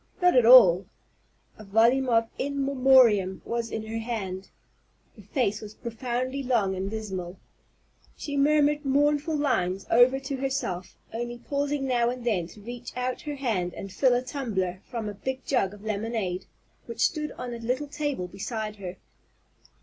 Not at all! A volume of "In Memoriam" was in her hand. Her face was profoundly long and dismal. She murmured mournful lines over to herself, only pausing now and then to reach out her hand and fill a tumbler from a big jug of lemonade which stood on a little table beside her.